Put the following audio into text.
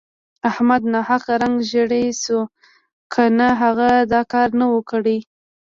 احمد ناحقه رنګ ژړی شو که نه هغه دا کار نه وو کړی.